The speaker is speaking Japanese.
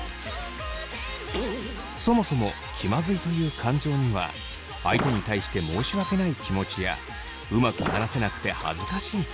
そもそも気まずいという感情には相手に対して申し訳ない気持ちやうまく話せなくて恥ずかしい気持ち。